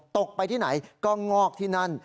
ตกไปที่ไหนก็งอกที่นั่น